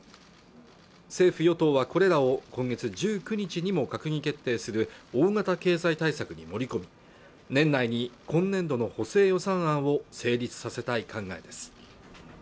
政府与党はこれらを今月１９日にも閣議決定する大型経済対策に盛り込み年内に今年度の補正予算案を成立させたい考えです